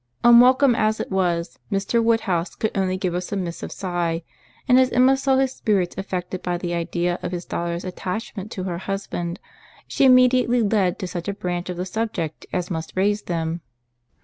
Unwelcome as it was, Mr. Woodhouse could only give a submissive sigh; and as Emma saw his spirits affected by the idea of his daughter's attachment to her husband, she immediately led to such a branch of the subject as must raise them.